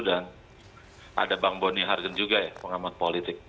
dan ada bang boni hargen juga ya pengamat politik